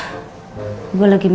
kakaknya udah kebun